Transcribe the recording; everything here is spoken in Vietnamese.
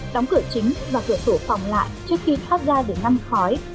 đóng cửa chính và cửa sổ phòng lại trước khi thoát ra để ngăn khói